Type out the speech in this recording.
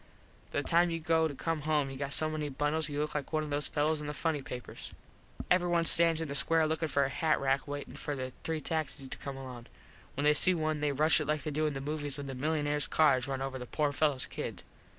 By the time you go to come home you got so many bundles you look like one of those fellos in the Funny Papers. Everyone stands in the square lookin like a hat rack waitin for the three taxis to come along. When they see one they rush it like they do in the movies when the milunares cars runs over the poor fellos kid.